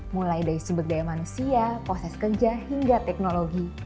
mulai dari sumber daya manusia proses kerja hingga teknologi